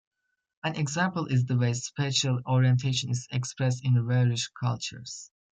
An example is the way spatial orientation is expressed in various cultures.